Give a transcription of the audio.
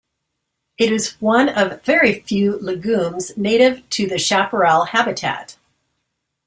It is one of very few legumes native to the chaparral habitat.